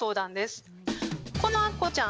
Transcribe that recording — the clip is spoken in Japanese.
このアッコちゃん